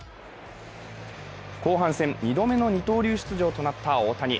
後半戦、２度目の二刀流出場となった大谷。